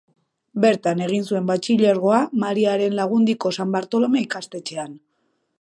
Bertan egin zuen batxilergoa, Mariaren Lagundiko San Bartolome ikastetxean.